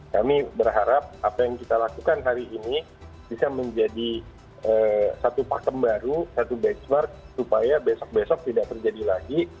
kami berharap apa yang kita lakukan hari ini bisa menjadi satu pakem baru satu benchmark supaya besok besok tidak terjadi lagi